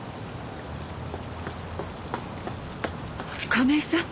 亀井さん。